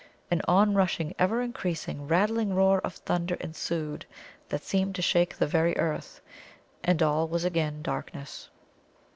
An on rushing, ever increasing, rattling roar of thunder ensued, that seemed to shake the very earth, and all was again darkness.